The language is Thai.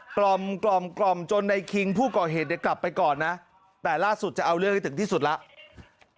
กล่อมกล่อมจนในคิงผู้ก่อเหตุเนี่ยกลับไปก่อนนะแต่ล่าสุดจะเอาเรื่องให้ถึงที่สุดแล้ว